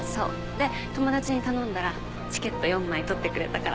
で友達に頼んだらチケット４枚取ってくれたから。